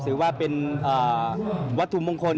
ถือว่าเป็นวัตถุมงคล